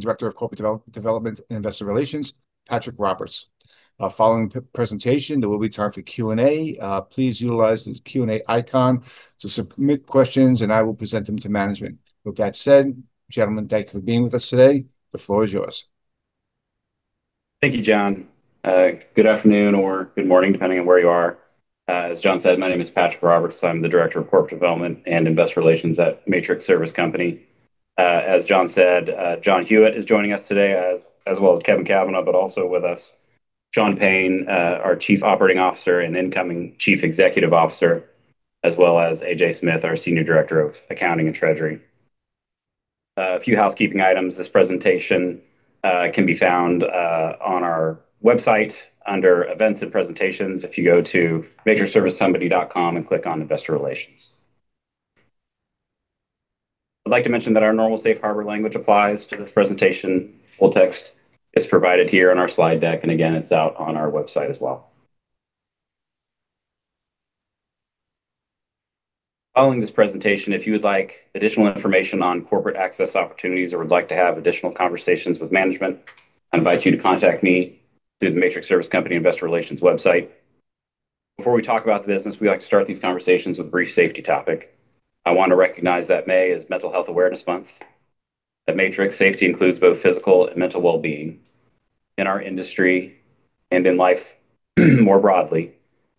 Director of Corporate Development and Investor Relations, Patrick Roberts. Following the presentation, there will be time for Q&A. Please utilize the Q&A icon to submit questions, and I will present them to management. With that said, gentlemen, thank you for being with us today. The floor is yours. Thank you, John. Good afternoon or good morning, depending on where you are. As John said, my name is Patrick Roberts. I'm the Director of Corporate Development and Investor Relations at Matrix Service Company. As John said, John Hewitt is joining us today, as well as Kevin Cavanah, but also with us, Shawn Payne, our Chief Operating Officer and incoming Chief Executive Officer, as well as AJ Smith, our Senior Director of Accounting and Treasury. A few housekeeping items. This presentation can be found on our website under Events and Presentations if you go to matrixservicecompany.com and click on Investor Relations. I'd like to mention that our normal safe harbor language applies to this presentation. Full text is provided here on our slide deck. Again, it's out on our website as well. Following this presentation, if you would like additional information on corporate access opportunities or would like to have additional conversations with management, I invite you to contact me through the Matrix Service Company investor relations website. Before we talk about the business, we like to start these conversations with a brief safety topic. I want to recognize that May is Mental Health Awareness Month, that Matrix safety includes both physical and mental well-being. In our industry and in life more broadly,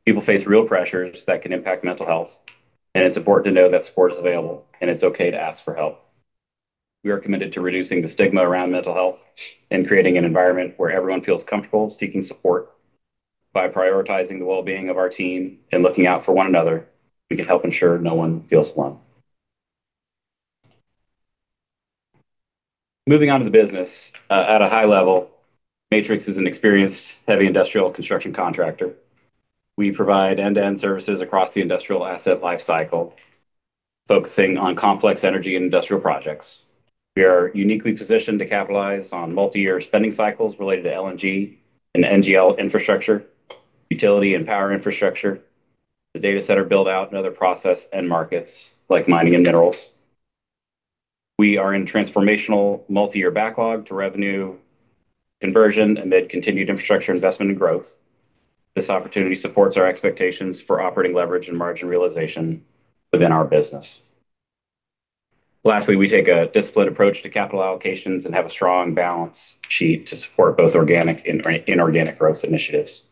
people face real pressures that can impact mental health, and it's important to know that support is available and it's okay to ask for help. We are committed to reducing the stigma around mental health and creating an environment where everyone feels comfortable seeking support. By prioritizing the well-being of our team and looking out for one another, we can help ensure no one feels alone. Moving on to the business. At a high level, Matrix is an experienced heavy industrial construction contractor. We provide end-to-end services across the industrial asset life cycle, focusing on complex energy and industrial projects. We are uniquely positioned to capitalize on multi-year spending cycles related to LNG and NGL infrastructure, utility and power infrastructure, the data center build-out, and other process end markets like mining and minerals. We are in transformational multi-year backlog to revenue conversion amid continued infrastructure investment and growth. This opportunity supports our expectations for operating leverage and margin realization within our business. Lastly, we take a disciplined approach to capital allocations and have a strong balance sheet to support both organic and inorganic growth initiatives.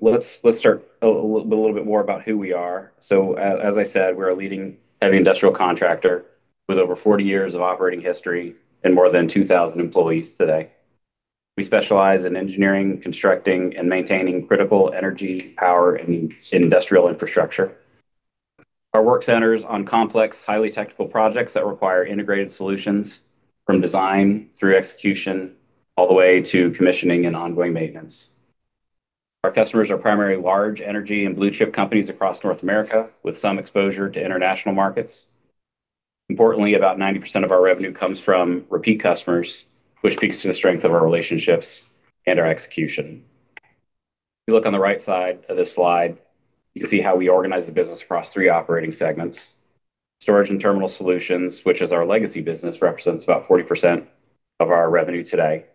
Let's start a little bit more about who we are As I said, we're a leading heavy industrial contractor with over 40 years of operating history and more than 2,000 employees today. We specialize in engineering, constructing, and maintaining critical energy, power, and industrial infrastructure. Our work centers on complex, highly technical projects that require integrated solutions from design through execution, all the way to commissioning and ongoing maintenance. Our customers are primarily large energy and blue-chip companies across North America, with some exposure to international markets. Importantly, about 90% of our revenue comes from repeat customers, which speaks to the strength of our relationships and our execution. If you look on the right side of this slide, you can see how we organize the business across three operating segments. Storage and Terminal Solutions, which is our legacy business, represents about 40% of our revenue today.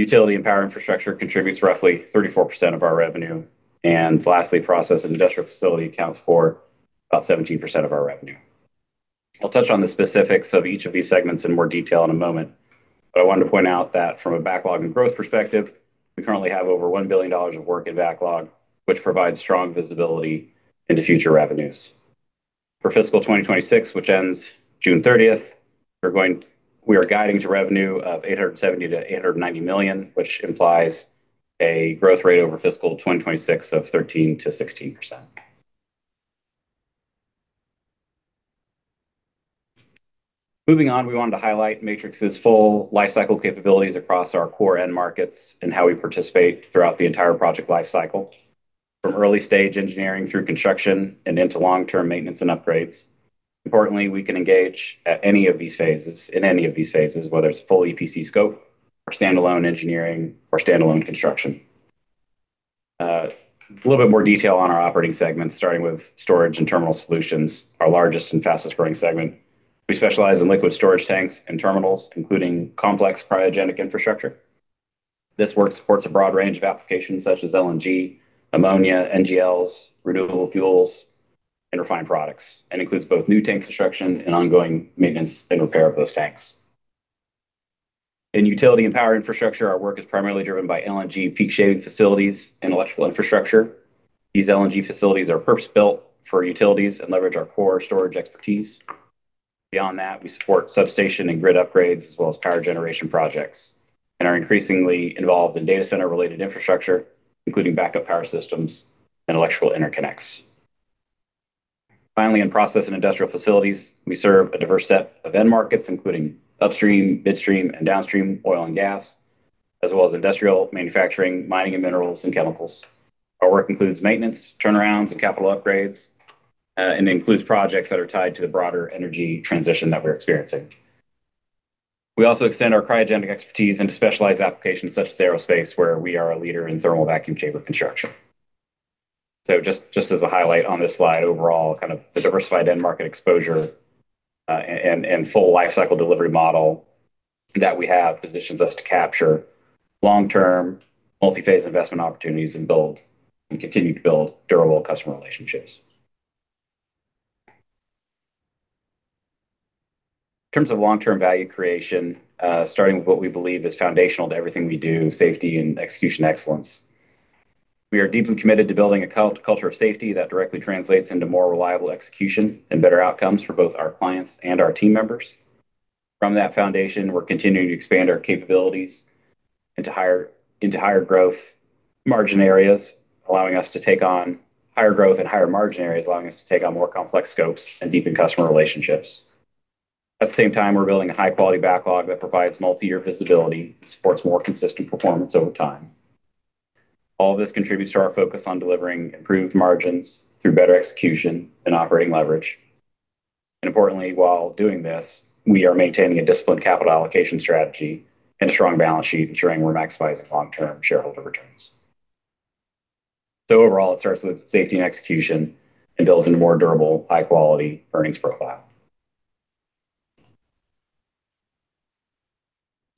Utility and Power Infrastructure contributes roughly 34% of our revenue. Lastly, Process and Industrial Facilities accounts for about 17% of our revenue. I'll touch on the specifics of each of these segments in more detail in a moment, but I wanted to point out that from a backlog and growth perspective, we currently have over $1 billion of work in backlog, which provides strong visibility into future revenues. For fiscal 2026, which ends June 30th, we are guiding to revenue of $870 million-$890 million, which implies a growth rate over fiscal 2026 of 13%-16%. Moving on, we wanted to highlight Matrix's full lifecycle capabilities across our core end markets and how we participate throughout the entire project life cycle, from early-stage engineering through construction and into long-term maintenance and upgrades. Importantly, we can engage in any of these phases, whether it's full EPC scope or standalone engineering or standalone construction. A little bit more detail on our operating segments, starting with Storage and Terminal Solutions, our largest and fastest-growing segment. We specialize in liquid storage tanks and terminals, including complex cryogenic infrastructure. This work supports a broad range of applications such as LNG, ammonia, NGLs, renewable fuels, and refined products, and includes both new tank construction and ongoing maintenance and repair of those tanks. In Utility and Power Infrastructure, our work is primarily driven by LNG peak shaving facilities and electrical infrastructure. These LNG facilities are purpose-built for utilities and leverage our core storage expertise. Beyond that, we support substation and grid upgrades, as well as power generation projects, and are increasingly involved in data center-related infrastructure, including backup power systems and electrical interconnects. In Process and Industrial Facilities, we serve a diverse set of end markets, including upstream, midstream, and downstream oil and gas, as well as industrial manufacturing, mining and minerals, and chemicals. Our work includes maintenance, turnarounds, and capital upgrades, and includes projects that are tied to the broader energy transition that we're experiencing. We also extend our cryogenic expertise into specialized applications such as aerospace, where we are a leader in thermal vacuum chamber construction. Just as a highlight on this slide, overall, the diversified end market exposure, and full lifecycle delivery model that we have positions us to capture long-term, multi-phase investment opportunities and continue to build durable customer relationships. In terms of long-term value creation, starting with what we believe is foundational to everything we do, safety and execution excellence. We are deeply committed to building a culture of safety that directly translates into more reliable execution and better outcomes for both our clients and our team members. From that foundation, we're continuing to expand our capabilities into higher growth margin areas, allowing us to take on more complex scopes and deepen customer relationships. We're building a high-quality backlog that provides multi-year visibility and supports more consistent performance over time. All this contributes to our focus on delivering improved margins through better execution and operating leverage. Importantly, while doing this, we are maintaining a disciplined capital allocation strategy and a strong balance sheet, ensuring we're maximizing long-term shareholder returns. Overall, it starts with safety and execution and builds into more durable, high-quality earnings per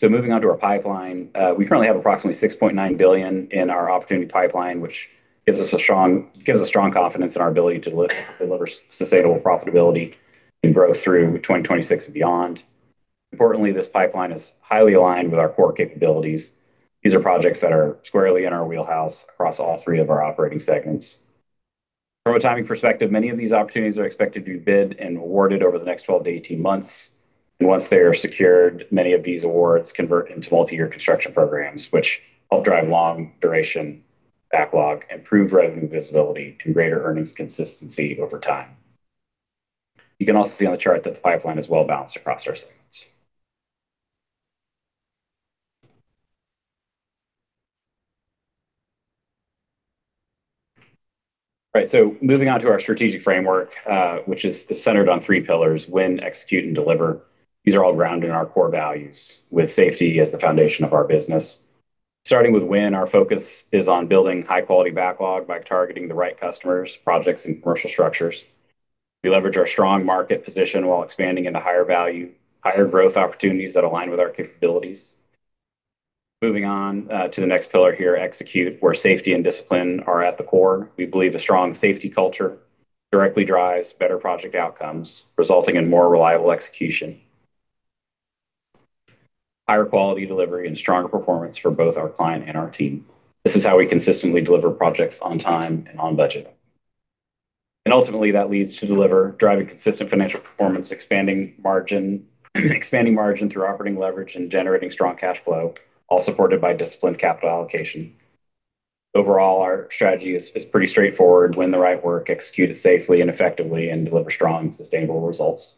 share. Moving on to our pipeline. We currently have approximately $6.9 billion in our opportunity pipeline, which gives us strong confidence in our ability to deliver sustainable profitability and growth through 2026 and beyond. Importantly, this pipeline is highly aligned with our core capabilities. These are projects that are squarely in our wheelhouse across all three of our operating segments. From a timing perspective, many of these opportunities are expected to be bid and awarded over the next 12-18 months. Once they are secured, many of these awards convert into multi-year construction programs, which help drive long duration backlog, improve revenue visibility, and greater earnings consistency over time. You can also see on the chart that the pipeline is well-balanced across our segments. Moving on to our strategic framework, which is centered on three pillars: Win, Execute, and Deliver. These are all grounded in our core values with safety as the foundation of our business. Starting with Win, our focus is on building high quality backlog by targeting the right customers, projects, and commercial structures. We leverage our strong market position while expanding into higher value, higher growth opportunities that align with our capabilities. Moving on to the next pillar here, Execute, where safety and discipline are at the core. We believe a strong safety culture directly drives better project outcomes, resulting in more reliable execution, higher quality delivery, and stronger performance for both our client and our team. This is how we consistently deliver projects on time and on budget. Ultimately, that leads to Deliver, driving consistent financial performance, expanding margin through operating leverage and generating strong cash flow, all supported by disciplined capital allocation. Overall, our strategy is pretty straightforward. Win the right work, execute it safely and effectively, and deliver strong and sustainable results.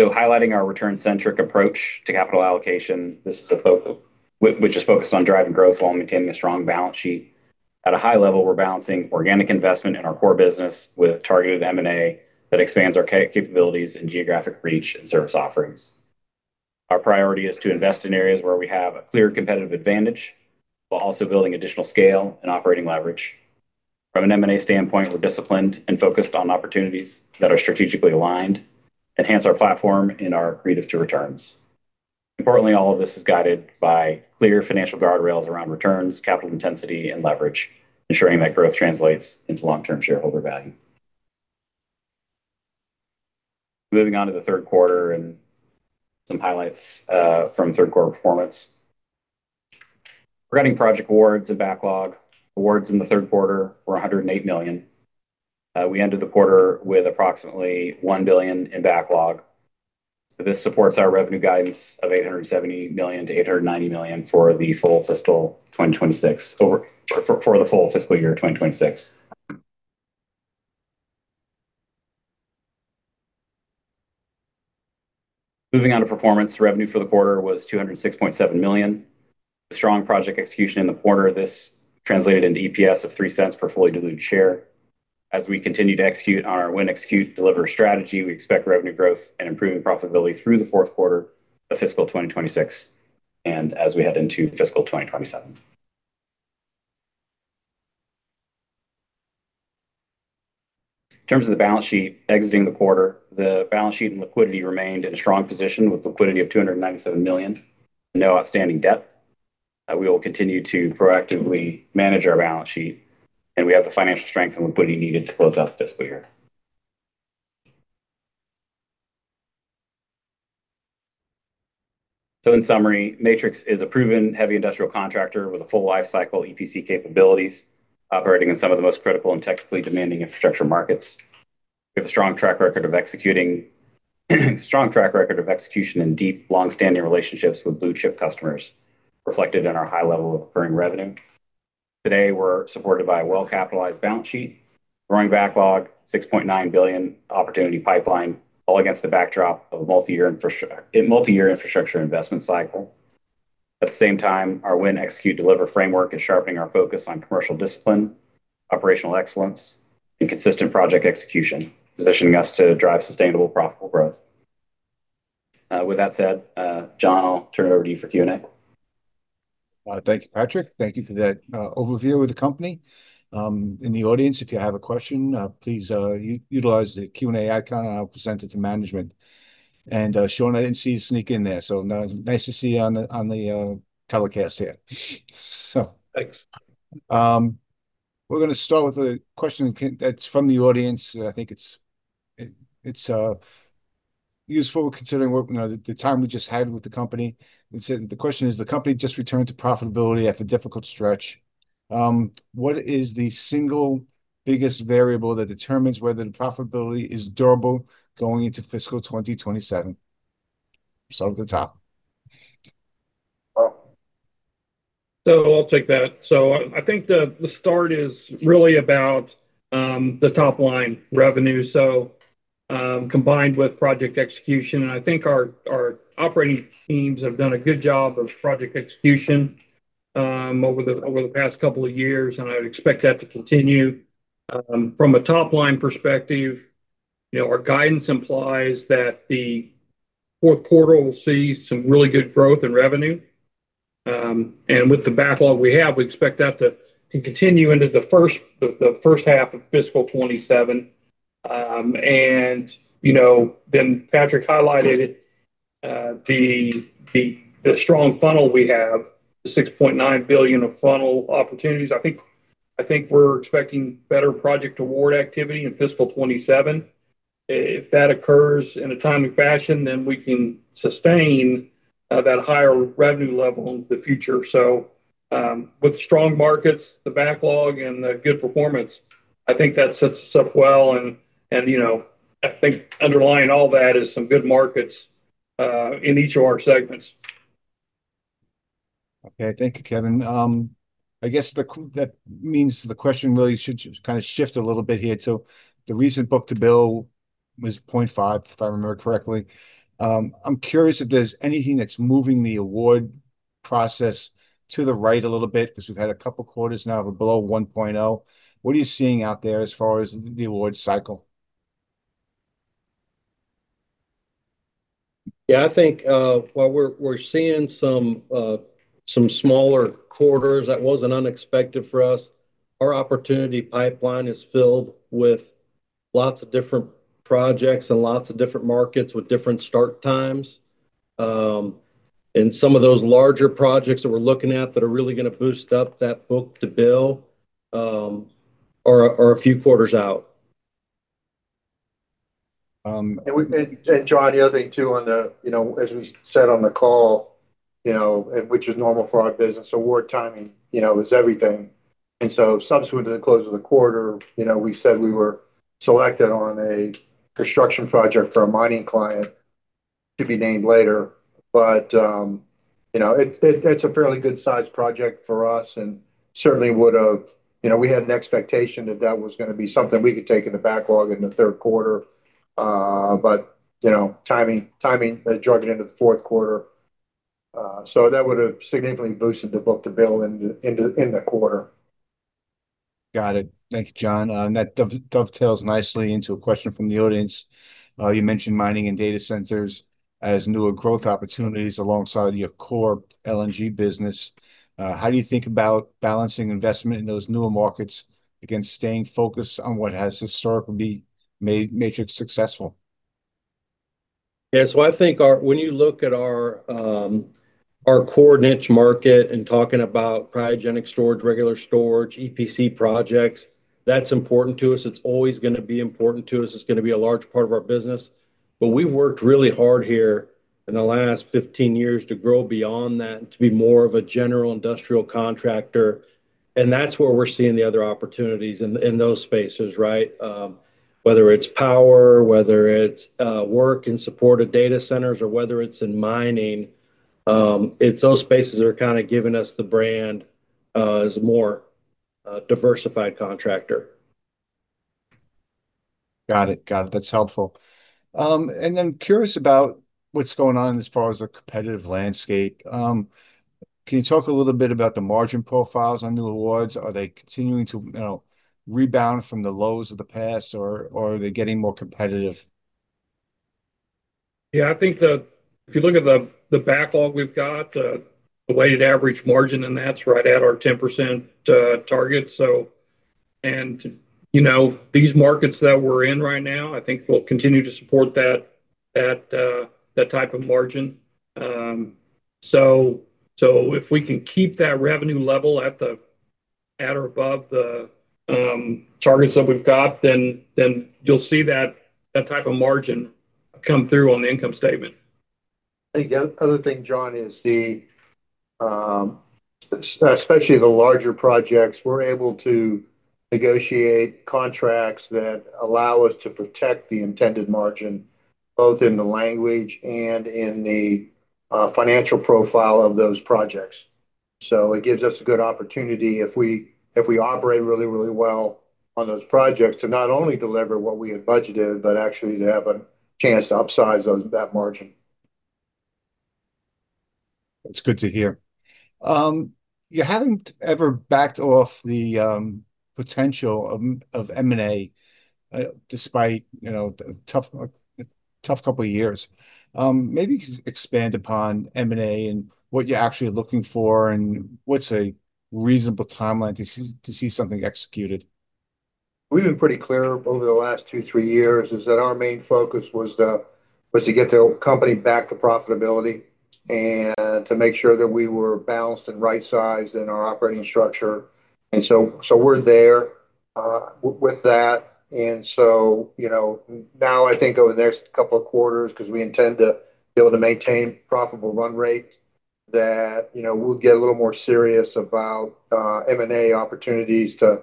Highlighting our return-centric approach to capital allocation, which is focused on driving growth while maintaining a strong balance sheet. At a high level, we're balancing organic investment in our core business with targeted M&A that expands our capabilities and geographic reach and service offerings. Our priority is to invest in areas where we have a clear competitive advantage while also building additional scale and operating leverage. From an M&A standpoint, we're disciplined and focused on opportunities that are strategically aligned, enhance our platform, and are accretive to returns. Importantly, all of this is guided by clear financial guardrails around returns, capital intensity, and leverage, ensuring that growth translates into long-term shareholder value. Moving on to the third quarter and some highlights from third quarter performance. Regarding project awards and backlog, awards in the third quarter were $108 million. We ended the quarter with approximately $1 billion in backlog. This supports our revenue guidance of $870 million-$890 million for the full fiscal year 2026. Moving on to performance. Revenue for the quarter was $206.7 million. Strong project execution in the quarter. This translated into EPS of $0.03 per fully diluted share. As we continue to execute on our Win, Execute, Deliver strategy, we expect revenue growth and improving profitability through the fourth quarter of fiscal 2026 and as we head into fiscal 2027. In terms of the balance sheet exiting the quarter, the balance sheet and liquidity remained in a strong position with liquidity of $297 million and no outstanding debt. We will continue to proactively manage our balance sheet, and we have the financial strength and liquidity needed to close out fiscal year. In summary, Matrix is a proven heavy industrial contractor with a full lifecycle EPC capabilities, operating in some of the most critical and technically demanding infrastructure markets. We have a strong track record of execution and deep, long-standing relationships with blue-chip customers, reflected in our high level of recurring revenue. Today, we're supported by a well-capitalized balance sheet, growing backlog, a $6.9 billion opportunity pipeline, all against the backdrop of a multi-year infrastructure investment cycle. At the same time, our Win, Execute, Deliver framework is sharpening our focus on commercial discipline, operational excellence, and consistent project execution, positioning us to drive sustainable profitable growth. With that said, John, I'll turn it over to you for Q&A. Thank you, Patrick. Thank you for that overview of the company. In the audience, if you have a question, please utilize the Q&A icon and I'll present it to management. Shawn, I didn't see you sneak in there, so nice to see you on the telecast here. Thanks. We're going to start with a question that's from the audience, and I think it's useful considering the time we just had with the company. The question is, the company just returned to profitability after a difficult stretch. What is the single biggest variable that determines whether the profitability is durable going into fiscal 2027? We'll start at the top. I'll take that. I think the start is really about the top-line revenue, combined with project execution, I think our operating teams have done a good job of project execution over the past couple of years, I would expect that to continue. From a top-line perspective, our guidance implies that the fourth quarter will see some really good growth in revenue. With the backlog we have, we expect that to continue into the first half of fiscal 2027. Patrick highlighted the strong funnel we have, the $6.9 billion of funnel opportunities. I think we're expecting better project award activity in fiscal 2027. If that occurs in a timely fashion, we can sustain that higher revenue level into the future. With strong markets, the backlog, and the good performance, I think that sets us up well, and I think underlying all that is some good markets in each of our segments. Okay. Thank you, Kevin. I guess that means the question really should shift a little bit here. The recent book-to-bill was 0.5, if I remember correctly. I'm curious if there's anything that's moving the award process to the right a little bit because we've had a couple of quarters now of below 1.0. What are you seeing out there as far as the awards cycle? Yeah, I think, while we're seeing some smaller quarters, that wasn't unexpected for us. Our opportunity pipeline is filled with lots of different projects and lots of different markets with different start times. Some of those larger projects that we're looking at that are really going to boost up that book-to-bill are a few quarters out. John, the other thing too, as we said on the call, which is normal for our business, award timing is everything. Subsequent to the close of the quarter, we said we were selected on a construction project for a mining client to be named later. That's a fairly good size project for us and certainly We had an expectation that that was going to be something we could take in the backlog in the third quarter. Timing, that drug it into the fourth quarter. That would have significantly boosted the book-to-bill in the quarter. Got it. Thank you, John. That dovetails nicely into a question from the audience. You mentioned mining and data centers as newer growth opportunities alongside your core LNG business. How do you think about balancing investment in those newer markets against staying focused on what has historically made Matrix successful? I think when you look at our core niche market and talking about cryogenic storage, regular storage, EPC projects, that's important to us. It's always going to be important to us. It's going to be a large part of our business. We've worked really hard here in the last 15 years to grow beyond that and to be more of a general industrial contractor, and that's where we're seeing the other opportunities in those spaces, right? Whether it's power, whether it's work in support of data centers, or whether it's in mining, it's those spaces that are giving us the brand as a more diversified contractor. Got it. That's helpful. I'm curious about what's going on as far as the competitive landscape. Can you talk a little bit about the margin profiles on new awards? Are they continuing to rebound from the lows of the past, or are they getting more competitive? I think if you look at the backlog we've got, the weighted average margin in that's right at our 10% target. These markets that we're in right now, I think will continue to support that type of margin. If we can keep that revenue level at or above the targets that we've got, then you'll see that type of margin come through on the income statement. I think the other thing, John, is the, especially the larger projects, we're able to negotiate contracts that allow us to protect the intended margin, both in the language and in the financial profile of those projects. It gives us a good opportunity if we operate really, really well on those projects to not only deliver what we had budgeted, but actually to have a chance to upsize that margin. That's good to hear. You haven't ever backed off the potential of M&A, despite a tough couple of years. Maybe expand upon M&A and what you're actually looking for, and what's a reasonable timeline to see something executed? We've been pretty clear over the last two, three years, is that our main focus was to get the company back to profitability and to make sure that we were balanced and right-sized in our operating structure. We're there with that. Now I think over the next couple of quarters, because we intend to be able to maintain profitable run rate, that we'll get a little more serious about M&A opportunities to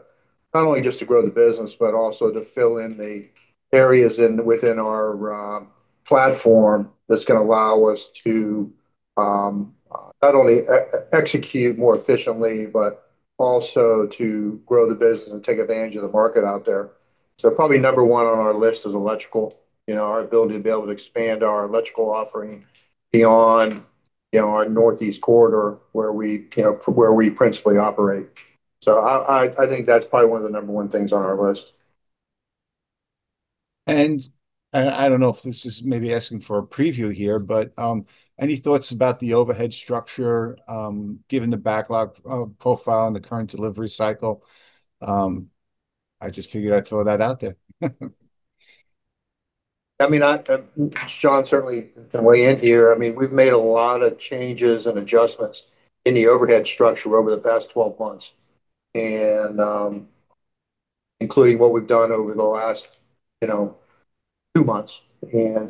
not only just to grow the business, but also to fill in the areas within our platform that's going to allow us to not only execute more efficiently, but also to grow the business and take advantage of the market out there. Probably number one on our list is electrical, our ability to be able to expand our electrical offering beyond our Northeast corridor where we principally operate. I think that's probably one of the number one things on our list. I don't know if this is maybe asking for a preview here, but any thoughts about the overhead structure, given the backlog profile and the current delivery cycle? I just figured I'd throw that out there. I mean, Shawn certainly can weigh in here. We've made a lot of changes and adjustments in the overhead structure over the past 12 months, and including what we've done over the last two months. A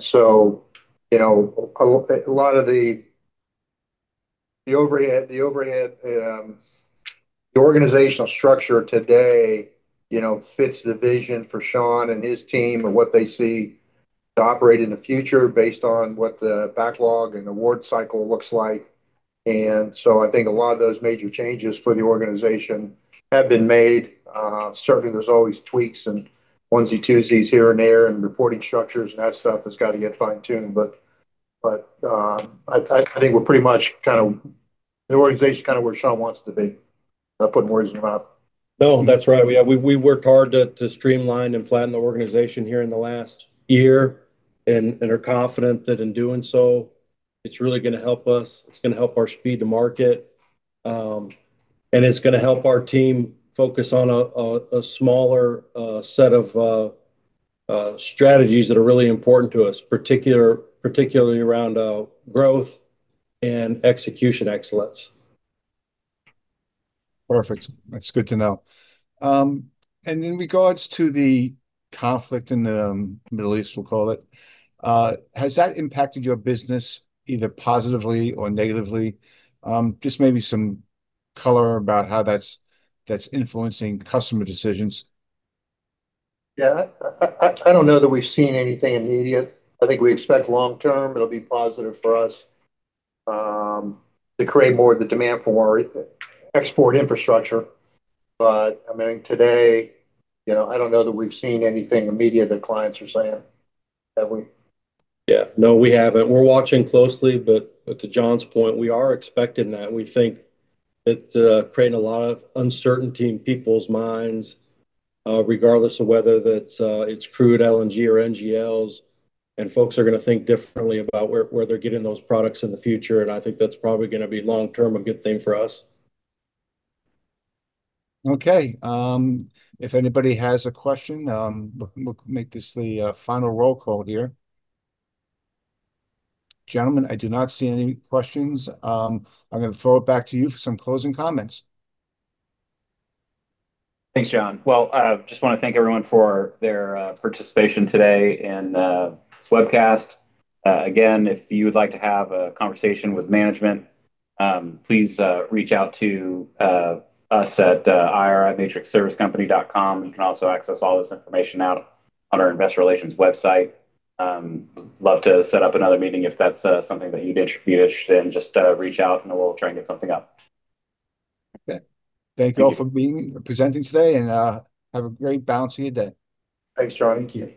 lot of the overhead, the organizational structure today fits the vision for Shawn and his team and what they see to operate in the future based on what the backlog and award cycle looks like. I think a lot of those major changes for the organization have been made. Certainly, there's always tweaks and onesie-twosies here and there and reporting structures and that stuff that's got to get fine-tuned, but I think we're pretty much the organization's where Shawn wants it to be, not putting words in your mouth. No, that's right. We worked hard to streamline and flatten the organization here in the last year and are confident that in doing so, it's really going to help us, it's going to help our speed to market. It's going to help our team focus on a smaller set of strategies that are really important to us, particularly around growth and execution excellence. Perfect. That's good to know. In regards to the conflict in the Middle East, we'll call it, has that impacted your business either positively or negatively? Just maybe some color about how that's influencing customer decisions. Yeah. I don't know that we've seen anything immediate. I think we expect long-term it'll be positive for us, to create more of the demand for export infrastructure. I mean, today, I don't know that we've seen anything immediate that clients are saying. Have we? Yeah, no, we haven't. We're watching closely. To John's point, we are expecting that. We think it's creating a lot of uncertainty in people's minds, regardless of whether that's crude, LNG or NGLs. Folks are going to think differently about where they're getting those products in the future. I think that's probably going to be long-term a good thing for us. Okay. If anybody has a question, we'll make this the final roll call here. Gentlemen, I do not see any questions. I'm going to throw it back to you for some closing comments. Thanks, John. Well, I just want to thank everyone for their participation today in this webcast. Again, if you would like to have a conversation with management, please reach out to us at ir@matrixservicecompany.com. You can also access all this information out on our investor relations website. Love to set up another meeting if that's something that you'd be interested in. Just reach out and we'll try and get something up. Okay. Thank you all for presenting today, and have a great balance of your day. Thanks, John. Thank you